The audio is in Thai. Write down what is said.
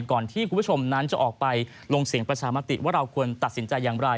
ก่อนที่คุณผู้ชมนั้นจะออกไปลงเสียงประชามติว่าเราควรตัดสินใจอย่างไร